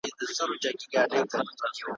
زه مي له صیاده د قصاب لاس ته لوېدلی یم `